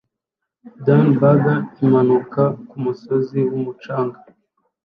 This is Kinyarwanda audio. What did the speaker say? Dune buggy imanuka kumusozi wumucanga